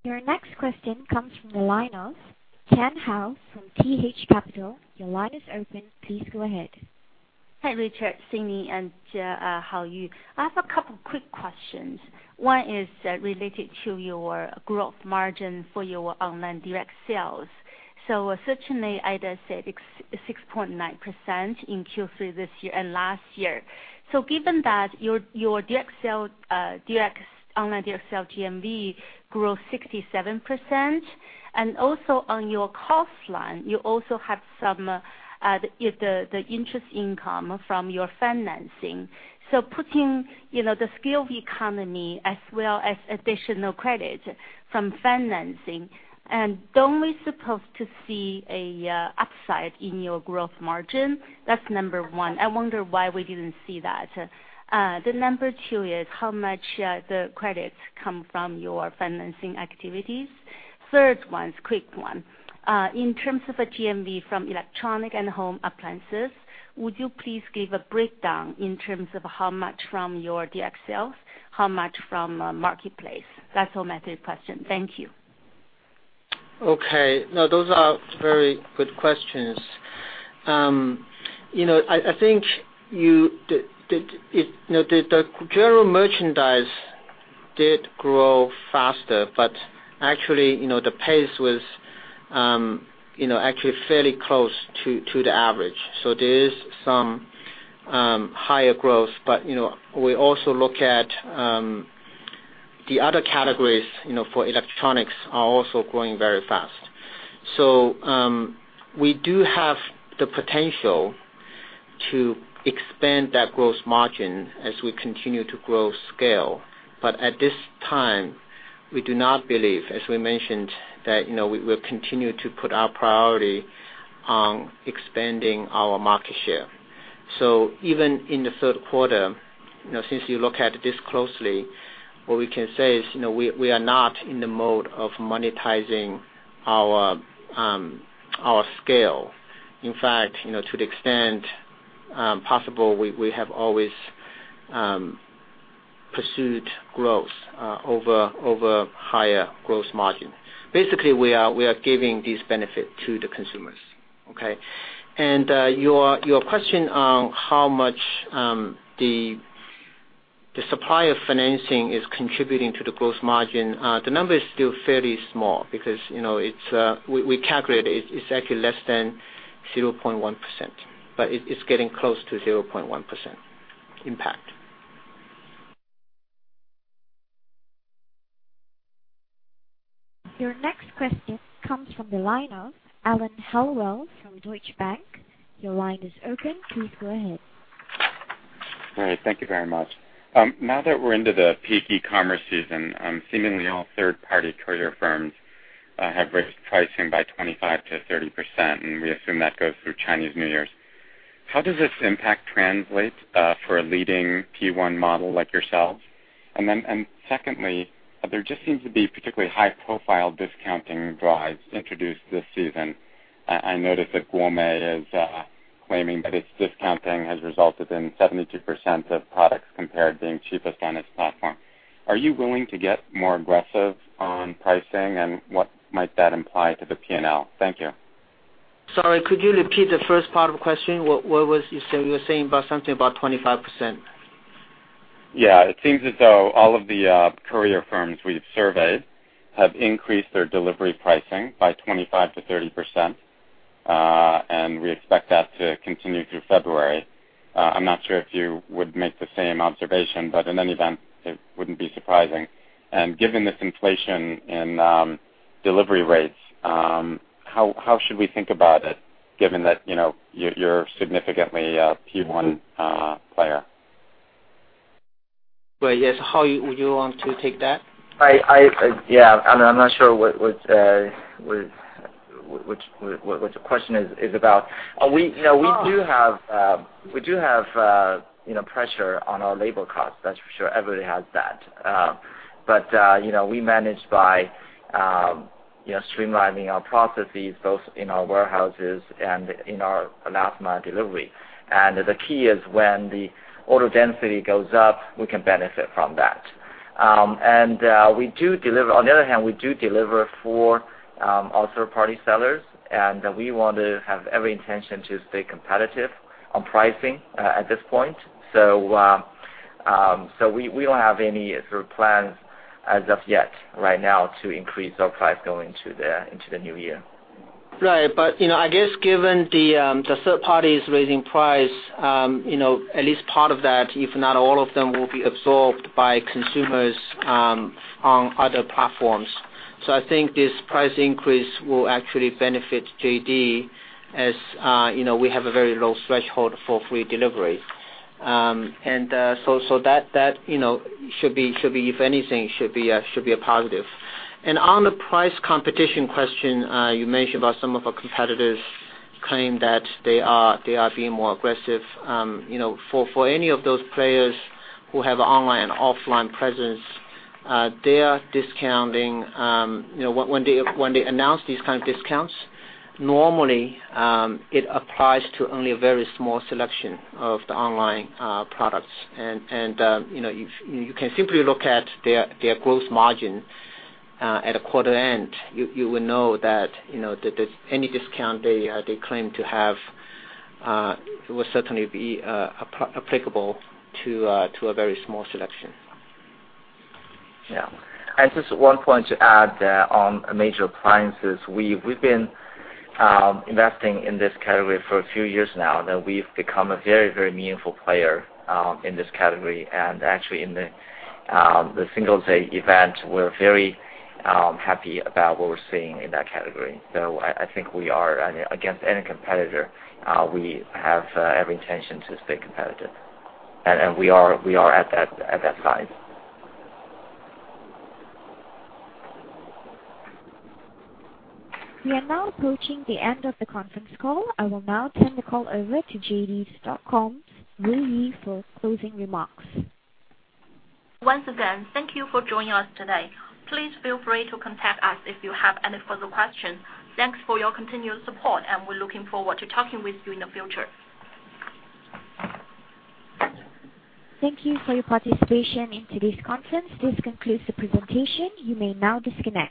Your next question comes from the line of Kan Hao from PH Capital. Your line is open. Please go ahead. Hi, Richard, Sidney and Haoyu. I have a couple quick questions. One is related to your gross margin for your online direct sales. Certainly, Ida said it's 6.9% in Q3 this year and last year. Given that your online direct sale GMV grew 67%, and also on your cost line, you also have some the interest income from your financing. Putting the scale of the economy as well as additional credit from financing, don't we suppose to see an upside in your gross margin? That's number one. I wonder why we didn't see that. The number two is how much the credits come from your financing activities. Third one's quick one. In terms of the GMV from electronics and home appliances, would you please give a breakdown in terms of how much from your direct sales, how much from marketplace? That's all my three questions. Thank you. Okay. No, those are very good questions. I think the general merchandise did grow faster, but actually, the pace was actually fairly close to the average. There is some higher growth, but we also look at the other categories, for electronics are also growing very fast. We do have the potential to expand that gross margin as we continue to grow scale. At this time, we do not believe, as we mentioned, that we'll continue to put our priority on expanding our market share. Even in the third quarter, since you look at this closely, what we can say is, we are not in the mode of monetizing our scale. In fact, to the extent possible, we have always pursued growth over higher gross margin. Basically, we are giving this benefit to the consumers. Okay. Your question on how much the supplier financing is contributing to the gross margin, the number is still fairly small because we calculate it's actually less than 0.1%, but it's getting close to 0.1% impact. Your next question comes from the line of Alan Hellawell from Deutsche Bank. Your line is open. Please go ahead. All right. Thank you very much. Now that we're into the peak e-commerce season, seemingly all third-party courier firms have raised pricing by 25%-30%, and we assume that goes through Chinese New Year. How does this impact translate for a leading 1P model like yourselves? Secondly, there just seems to be particularly high-profile discounting drives introduced this season. I noticed that Gome is claiming that its discounting has resulted in 72% of products compared being cheapest on its platform. Are you going to get more aggressive on pricing, and what might that imply to the P&L? Thank you. Sorry, could you repeat the first part of the question? You were saying about something about 25%. Yeah. It seems as though all of the courier firms we've surveyed have increased their delivery pricing by 25%-30%, and we expect that to continue through February. I'm not sure if you would make the same observation, but in any event, it wouldn't be surprising. Given this inflation in delivery rates, how should we think about it given that you're significantly a 1P player? Well, yes. Hao, you want to take that? Yeah. I'm not sure what the question is about. We do have pressure on our labor costs, that's for sure. Everybody has that. We manage by streamlining our processes, both in our warehouses and in our last mile delivery. The key is when the order density goes up, we can benefit from that. On the other hand, we do deliver for our third-party sellers, and we want to have every intention to stay competitive on pricing at this point. We don't have any sort of plans as of yet right now to increase our price going into the new year. Right. I guess given the third parties raising price, at least part of that, if not all of them, will be absorbed by consumers on other platforms. I think this price increase will actually benefit JD, as we have a very low threshold for free delivery. That, if anything, should be a positive. On the price competition question, you mentioned about some of our competitors claim that they are being more aggressive. For any of those players who have online and offline presence, when they announce these kind of discounts, normally, it applies to only a very small selection of the online products. You can simply look at their gross margin at a quarter-end, you will know that any discount they claim to have, will certainly be applicable to a very small selection. Yeah. Just one point to add on major appliances. We've been investing in this category for a few years now, and we've become a very meaningful player in this category. Actually in the Singles' Day event, we're very happy about what we're seeing in that category. I think against any competitor, we have every intention to stay competitive, and we are at that size. We are now approaching the end of the conference call. I will now turn the call over to JD.com's Ruiyu Li for closing remarks. Once again, thank you for joining us today. Please feel free to contact us if you have any further questions. Thanks for your continued support, and we're looking forward to talking with you in the future. Thank you for your participation in today's conference. This concludes the presentation. You may now disconnect.